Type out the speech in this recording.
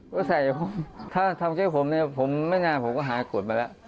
ก็ใส่ผมถ้าทำใจผมเนี่ยผมไม่นานผมก็หากฎมาแล้ว